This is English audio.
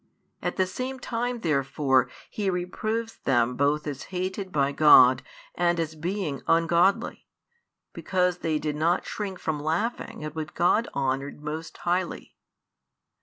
At the same time therefore He reproves |90 them both as hated by God and as being ungodly, because they did not shrink from laughing at what God honoured most highly.